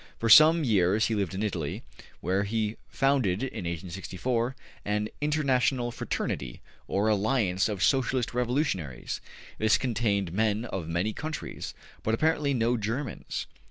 For some years he lived in Italy, where he founded in 1864 an ``International Fraternity'' or ``Alliance of Socialist Revolutionaries.'' This contained men of many countries, but apparently no Germans.